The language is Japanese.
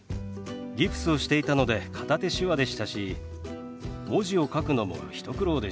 ギプスをしていたので片手手話でしたし文字を書くのも一苦労でした。